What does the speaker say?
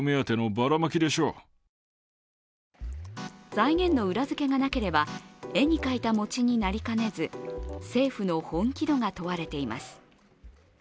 財源の裏付けがなければ絵に描いたもちになりかねず政府の本気度が問われています。